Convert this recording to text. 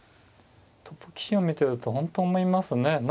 トップ棋士を見てると本当思いますね。